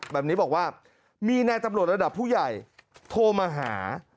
แบบนี้บอกว่ามีนายตำรวจระดับผู้ใหญ่โทรมาหา